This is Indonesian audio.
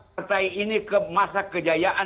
partai ini ke masa kejayaan